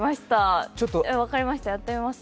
分かりました、やってみます。